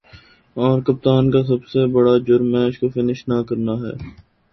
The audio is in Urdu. اور کپتان کا سب سے برا جرم" میچ کو فنش نہ کرنا ہے